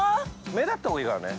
目立った方がいいからね